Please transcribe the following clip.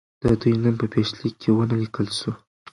د دوی نوم په پیشلیک کې نه وو لیکل سوی.